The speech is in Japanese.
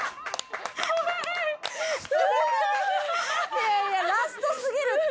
いやいやラストすぎるって！